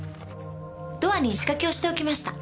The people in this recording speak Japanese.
ドアに仕掛けをしておきました。